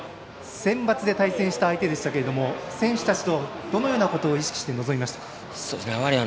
センバツで対戦した相手でしたが選手たちのどのようなことを意識して臨みましたか。